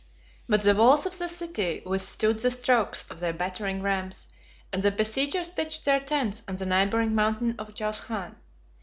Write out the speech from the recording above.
But the walls of the city withstood the strokes of their battering rams: and the besiegers pitched their tents on the neighboring mountain of Jaushan.